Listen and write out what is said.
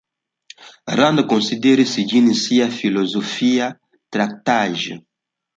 Rand konsideris ĝin sia filozofia traktaĵo.